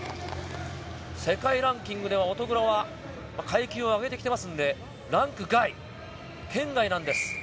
世界ランキングでは乙黒は階級を上げてきていますのでランク外、圏外です。